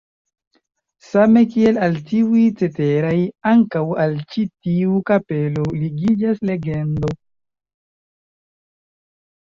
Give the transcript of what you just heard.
Same kiel al tiuj ceteraj, ankaŭ al ĉi tiu kapelo ligiĝas legendo.